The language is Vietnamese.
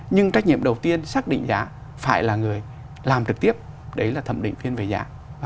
nhưng trách nhiệm đầu tiên xác định giá phải là người làm trực tiếp đấy là thẩm định phiên về giá